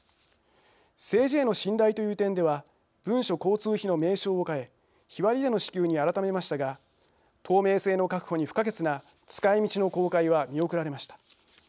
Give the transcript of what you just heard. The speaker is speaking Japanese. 政治への信頼という点では文書交通費の名称を変え日割りでの支給に改めましたが透明性の確保に不可欠な使いみちの公開は見送られました。